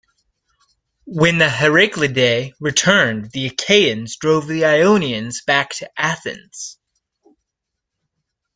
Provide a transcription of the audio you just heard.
When the Heracleidae returned the Achaeans drove the Ionians back to Athens.